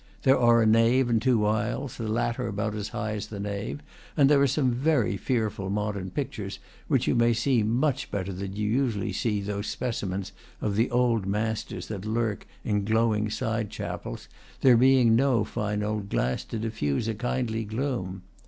There are a nave and two aisles, the latter about as high as the nave; and there are some very fearful modern pictures, which you may see much better than you usually see those specimens of the old masters that lurk in glow ing side chapels, there being no fine old glass to dif fuse a kindly gloom.